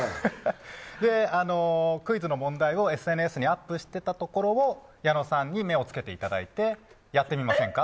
クイズの問題をＳＮＳにアップしていたところ矢野さんに目をつけていただいてやってみませんか？